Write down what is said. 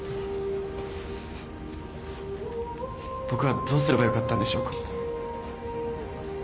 僕はどうすればよかったんでしょうか？